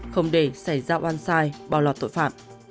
không để xảy ra oan sai bỏ lọt tội phạm